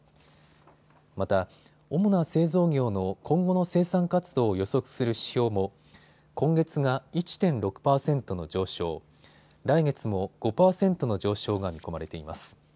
また主な製造業の今後の生産活動を予測する指標も今月が１．６％の上昇、来月も５％の上昇が見込まれています。